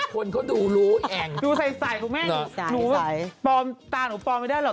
คนเขาดูรู้แอ่งดูใส่คุณแม่หนูปลอมตาหนูปลอมไม่ได้หรอก